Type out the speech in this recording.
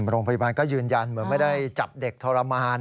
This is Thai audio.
โรงพยาบาลก็ยืนยันเหมือนไม่ได้จับเด็กทรมาน